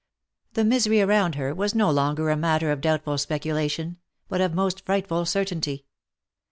The misery around her was no longer a matter of doubtful speculation, but of most frightful cer tainty.